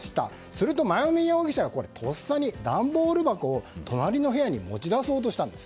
すると、真弓容疑者はとっさに段ボール箱を隣の部屋に持ち出そうとしたんです。